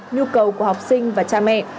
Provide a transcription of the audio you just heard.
nhu cầu của học sinh và cha mẹ